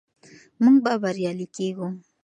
موږ به بریالي کیږو.